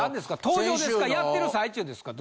登場ですかやってる最中ですか？